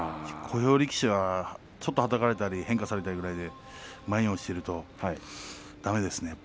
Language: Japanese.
小兵力士はちょっとはたかれたり変化されたぐらいで前に落ちているとだめですね